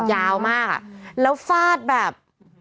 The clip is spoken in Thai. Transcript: ยาวมากอ่ะแล้วฟาดแบบ